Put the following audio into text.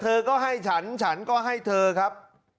เธอก็ให้ฉันฉันก็ให้เธอครับ